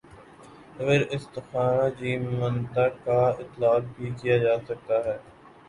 تو پھر استخراجی منطق کا اطلاق بھی کیا جا سکتا ہے۔